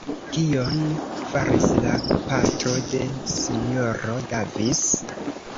Kion faris la patro de S-ro Davis?